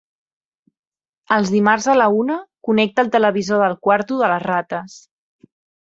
Els dimarts a la una connecta el televisor del quarto de les rates.